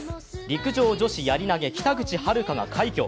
陸上女子やり投・北口榛花が快挙。